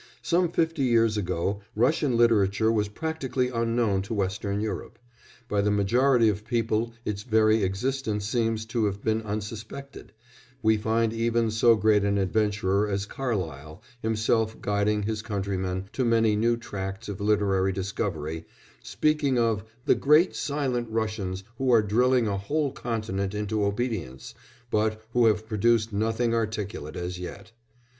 Some fifty years ago Russian literature was practically unknown to Western Europe; by the majority of people its very existence seems to have been unsuspected; we find even so great an adventurer as Carlyle, himself guiding his countrymen to many new tracts of literary discovery, speaking of "the great silent Russians who are drilling a whole continent into obedience, but who have produced 'nothing articulate' as yet."